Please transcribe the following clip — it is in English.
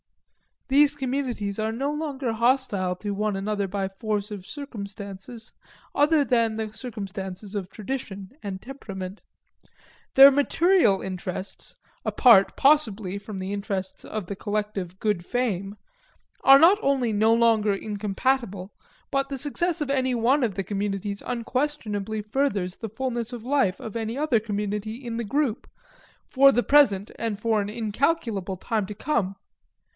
These communities are no longer hostile to one another by force of circumstances, other than the circumstances of tradition and temperament. Their material interests apart, possibly, from the interests of the collective good fame are not only no longer incompatible, but the success of any one of the communities unquestionably furthers the fullness of life of any other community in the group, for the present and for an incalculable time to come.